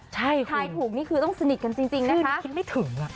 ใช่คุณชื่อนี้คิดไม่ถึงอะ